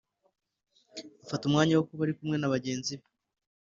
afata umwanya wo kuba ari kumwe na bagenzi be